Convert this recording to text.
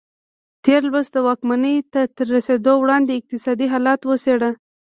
تېر لوست د واکمنۍ ته تر رسېدو وړاندې اقتصادي حالت وڅېړه.